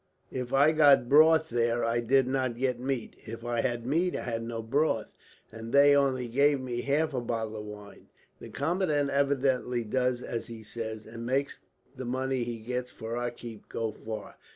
"If I got broth there I did not get meat; if I had meat I had no broth; and they only gave me half a bottle of wine. The commandant evidently does as he says, and makes the money he gets for our keep go far.